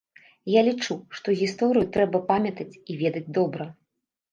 Я лічу, што гісторыю трэба памятаць і ведаць добра.